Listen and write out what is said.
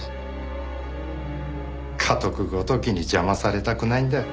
かとくごときに邪魔されたくないんだよ。